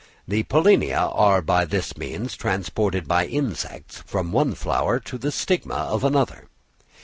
The pollinia are by this means transported by insects from one flower to the stigma of another.